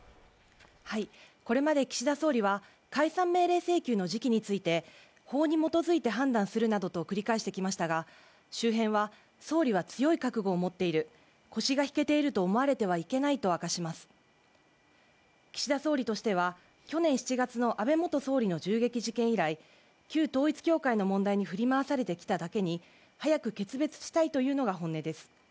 これまで岸田総理は解散命令請求の時期について法に基づいて判断するなどと繰り返してきましたが周辺は総理は強い覚悟を持っている腰が引けていると思われてはいけないと明かします岸田総理としては去年７月の安倍元総理の銃撃事件以来旧統一教会の問題に振り回されてきただけに早く決別したいというのが本音です